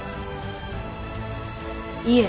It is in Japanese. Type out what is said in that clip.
いえ！